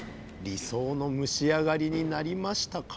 理想の蒸し上がりになりましたか？